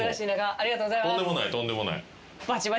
とんでもない。